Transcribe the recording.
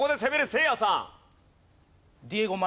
せいやさん。